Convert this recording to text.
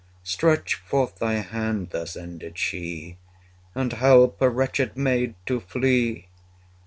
Stretch forth thy hand (thus ended she), And help a wretched maid to flee.